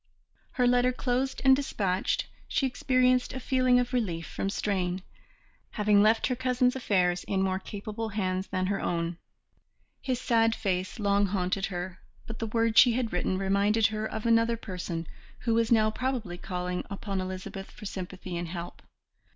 Her letter closed and dispatched, she experienced a feeling of relief from strain, having left her cousin's affairs in more capable hands than her own. His sad face long haunted her, but the words she had written reminded her of another person who was now probably calling upon Elizabeth for sympathy and help.